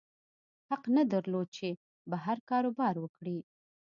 حق نه درلود چې بهر کاروبار وکړي.